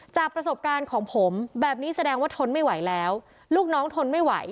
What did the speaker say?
จากประสบการณ์ของผมแบบนี้แสดงว่าทนไม่ไหวแล้วลูกน้องทนไม่ไหว